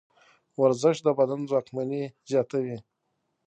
ورزش د بدن ځواکمني زیاتوي.